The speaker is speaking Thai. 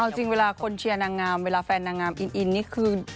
เอาจริงเวลาคนเชียร์นางงามเวลาแฟนนางงามอินนี่คือ